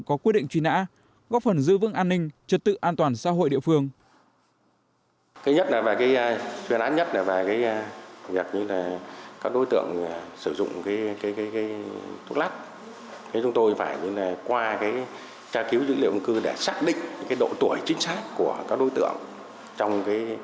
có quy định truy nã góp phần dư vững an ninh trật tự an toàn xã hội địa phương